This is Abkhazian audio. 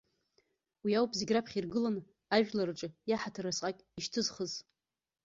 Уи ауп зегь раԥхьа иргыланы ажәлар рҿы иаҳаҭыр асҟак ишьҭызхыз.